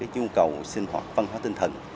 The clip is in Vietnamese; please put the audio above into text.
nhu cầu sinh hoạt văn hóa tinh thần